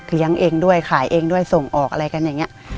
คือเลี้ยงเองด้วยขายเองด้วยส่งออกอะไรกันอย่างนี้